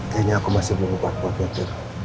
kayaknya aku masih belum lupa buat nyetir